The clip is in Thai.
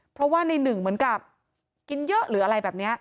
เพราะว่าในหนึ่งเหมือนกับกินเยอะหรืออะไรแบบนี้